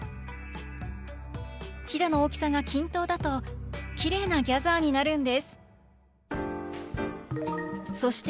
ヒダの大きさが均等だとキレイなギャザーになるんです！